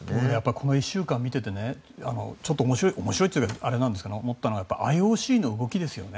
この１週間見ていてちょっと面白いというか思ったのはＩＯＣの動きですよね。